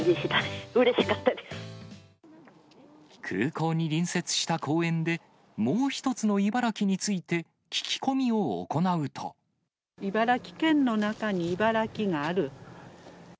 空港に隣接した公園で、もう一つの茨城について聞き込み茨城県の中に茨城がある。